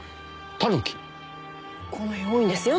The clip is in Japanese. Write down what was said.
この辺多いんですよ